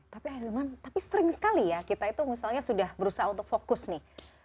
tapi ahilman tapi sering sekali ya kita itu misalnya sudah berusaha untuk fokus nih